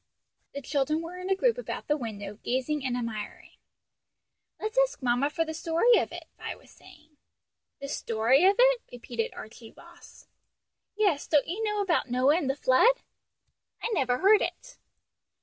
The children were in a group about the window, gazing and admiring. "Let's ask mamma for the story of it," Vi was saying. "The story of it?" repeated Archie Ross. "Yes; don't you know? about Noah and the flood." "I never heard it."